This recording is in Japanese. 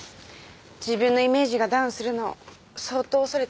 自分のイメージがダウンするのを相当恐れてるみたいですね。